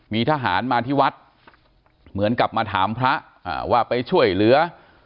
มีทหารมาที่วัดเหมือนกับมาถามพระว่าไปช่วยเหลือ